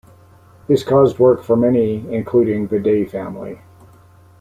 This caused work for many, including the Day family.